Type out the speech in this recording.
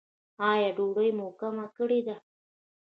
ایا ډوډۍ مو کمه کړې ده؟